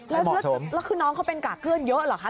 แล้วคือน้องเขาเป็นกากเพื่อนเยอะเหรอคะ